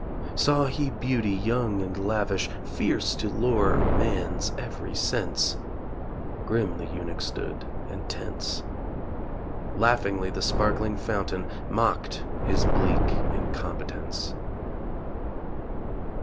Saw he beauty young and lavish Fierce to lure man's every sense (Grim the Eunuch stood and tense) Laughingly the sparkling fountain Mocked his bleak incompetence.